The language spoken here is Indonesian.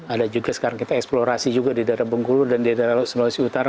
ada juga sekarang kita eksplorasi juga di daerah bengkulu dan di daerah sulawesi utara